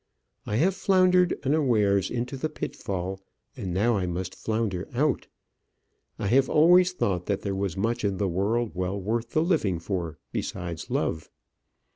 I have floundered unawares into the pitfall, and now I must flounder out. I have always thought that there was much in the world well worth the living for besides love.